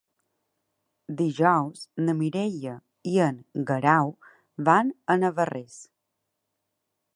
Dijous na Mireia i en Guerau van a Navarrés.